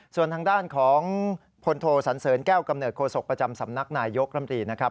ส่วนทางด้านของพลโทสันเสริญแก้วกำเนิดโศกประจำสำนักนายยกรัฐมนตรีนะครับ